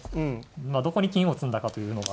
まあどこに金を打つんだかというのが。